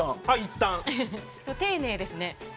丁寧ですね。